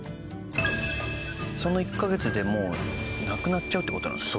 その１カ月でもうなくなっちゃうって事なんですか？